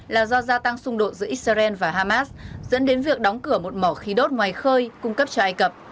là do gia tăng xung đột giữa israel và hamas dẫn đến việc đóng cửa một mỏ khí đốt ngoài khơi cung cấp cho ai cập